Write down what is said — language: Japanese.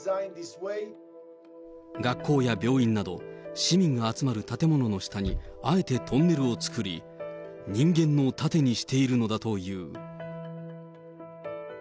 学校や病院など、市民が集まる建物の下にあえてトンネルを作り、人間の盾にしているのだという。